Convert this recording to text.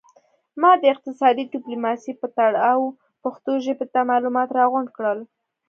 ما د اقتصادي ډیپلوماسي په تړاو پښتو ژبې ته معلومات را غونډ کړل